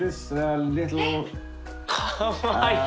かわいい！